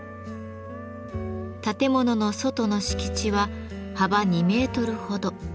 建物の外の敷地は幅２メートルほど。